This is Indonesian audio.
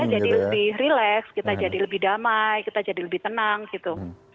kita jadi lebih rileks kita jadi lebih damai kita jadi lebih tenang gitu